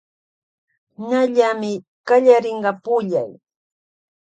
Ñallamy kallarinka pullay.